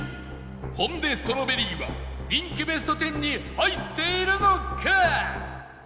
ポン・デ・ストロベリーは人気ベスト１０に入っているのか？